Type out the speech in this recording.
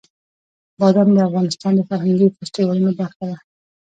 بادام د افغانستان د فرهنګي فستیوالونو برخه ده.